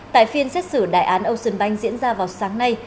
tại phiên xét xử đại án ocean bank diễn ra vào sáng nay